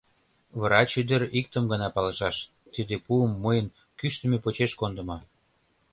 Врач ӱдыр иктым гына палышаш: тиде пуым мыйын кӱштымӧ почеш кондымо.